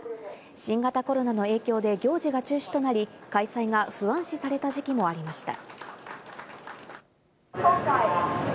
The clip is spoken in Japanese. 新型コロナの影響で行事が中止となり、開催が不安視された時期もありました。